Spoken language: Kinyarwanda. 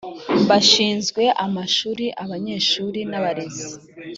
bashinzwe amashuri abanyeshuri n abarezi